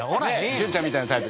潤ちゃんみたいなタイプ。